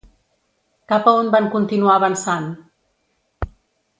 Cap a on van continuar avançant?